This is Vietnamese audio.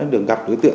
được gặp đối tượng